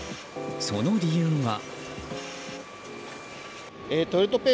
その理由は。